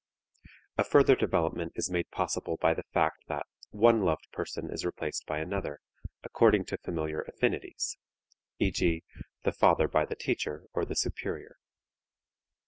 A further development is made possible by the fact that one loved person is replaced by another, according to familiar affinities, e.g., the father by the teacher or the superior.